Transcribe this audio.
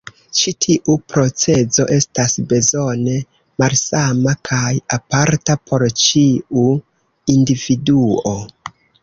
Ĉi tiu procezo estas bezone malsama kaj aparta por ĉiu individuo.